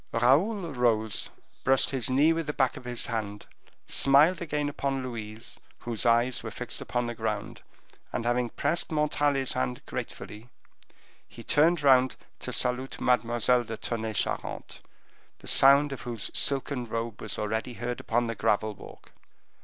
Raoul rose, brushed his knee with the back of his hand, smiled again upon Louise, whose eyes were fixed on the ground, and, having pressed Montalais's hand gratefully, he turned round to salute Mademoiselle de Tonnay Charente, the sound of whose silken robe was already heard upon the gravel walk.